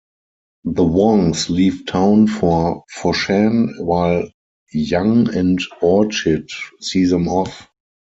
The Wongs leave town for Foshan while Yang and Orchid see them off.